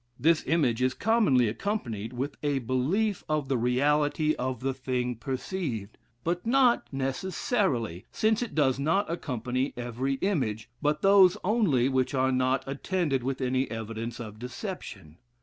This image is commonly accompanied with a belief of the reality of the thing perceived; but not necessarily, since it does not accompany every image, but those only which are not attended with any evidence of deception.